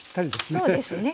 そうですね。